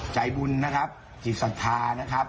ใจบุญจิตศัฐรณ์